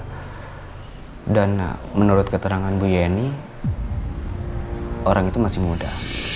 hai dan menurut keterangan bu yeni orang itu masih muda